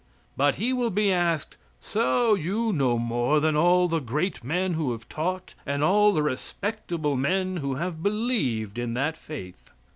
But he will be asked, "So you know more than all the great men who have taught and all the respectable men who have believed in that faith?"